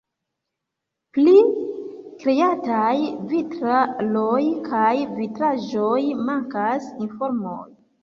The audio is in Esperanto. Pri kreataj vitraloj kaj vitraĵoj mankas informoj.